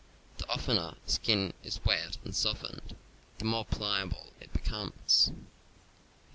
The oftener a skin is wet and softened, the more pliable it becomes.